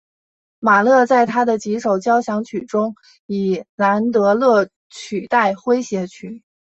马勒在他的几首交响曲中以兰德勒取代诙谐曲。